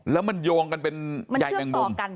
แล้วมันโยงกันเป็นย่างยังดง